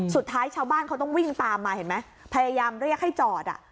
สุดท้ายชาวบ้านเขาต้องวิ่งตามมาเห็นไหมพยายามเรียกให้จอดอ่ะ